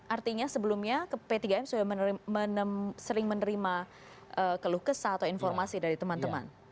artinya sebelumnya p tiga m sudah sering menerima keluh kesah atau informasi dari teman teman